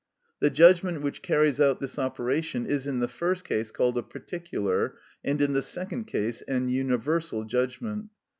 The judgment which carries out this operation is in the first case called a particular, and in the second case an universal judgment.